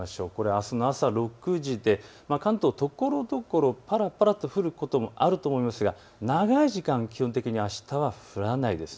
あすの朝６時で関東ところどころぱらぱらと降ることもあると思いますが、長い時間、基本的にあしたは降らないです。